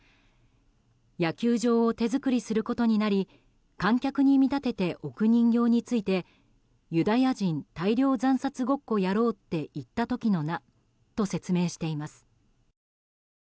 野球場を手作りすることになり観客に見立てて置く人形についてユダヤ人大量惨殺ごっこやろうって言った時のなと説明しています。